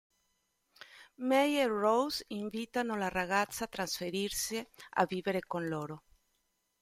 Mae e Rose invitano la ragazza a trasferirsi a vivere con loro.